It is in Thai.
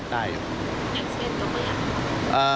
อย่างเซ็นตรงไหนครับ